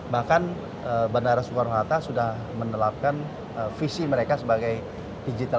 bahkan bandara sukarno harta sudah menelapkan visi mereka sebagai digital